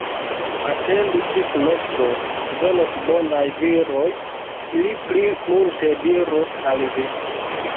Atendu ĝis nokto, venos bonaj viroj, ili pli multe diros al vi.